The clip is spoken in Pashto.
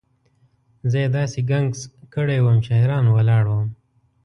زه یې داسې ګنګس کړی وم چې حیران ولاړ وم.